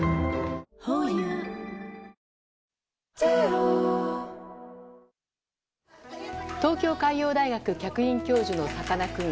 ｈｏｙｕ東京海洋大学客員教授のさかなクン